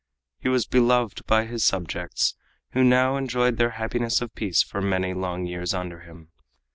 He was beloved by his subjects, who now enjoyed their happiness of peace for many long years under him.